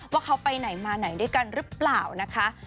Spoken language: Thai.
ว่าเขาไปไหนมาไหนด้วยกันหรือเปล่านะคะ